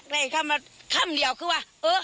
ท่าเท่าไรท่ำเราคืออ่ะ